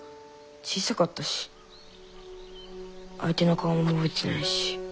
小さかったし相手の顔も覚えてないし。